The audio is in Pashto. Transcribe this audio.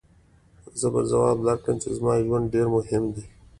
زه به ځواب درکړم چې زما ژوند ډېر مهم دی.